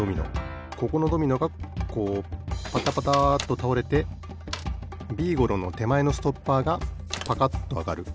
ここのドミノがこうパタパタッとたおれてビーゴローのてまえのストッパーがパカッとあがる。